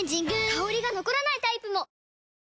香りが残らないタイプも！